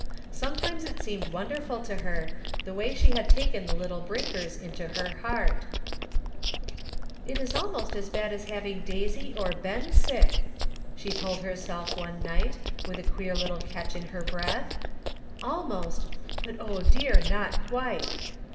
Sometimes it seemed wonderful to her, the way she had taken the little Brinkers into her heart, "It is almost as bad as having Daisy or Ben sick," she told herself one night, with a queer DARK DAYS. 163 little catch in her breath. "Almost, but O, dear ! not quite.